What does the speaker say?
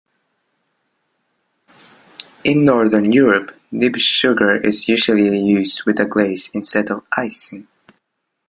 In Northern Europe, nib sugar is usually used with a glaze instead of icing.